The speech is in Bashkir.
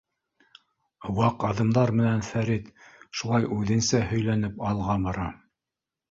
— Ваҡ аҙымдар менән Фәрит шулай үҙенсә һөйләнеп алға бара.